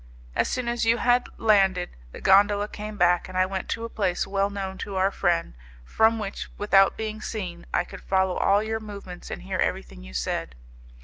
As soon as you had landed, the gondola came back, and I went to a place well known to our friend from which, without being seen, I could follow all your movements and hear everything you said.